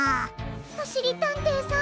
おしりたんていさん